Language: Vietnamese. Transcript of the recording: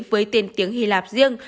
với tên tiếng hy lạp riêng